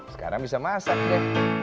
sekarang bisa masak ya